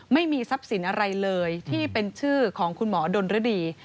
ไม่มีทรัพย์สินอะไรเลยที่เป็นชื่อของคุณหมอดนรดี